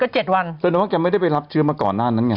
เฉดแนวว่าแกไม่ได้ไปรับเชื้อมาก่อนนั้นไง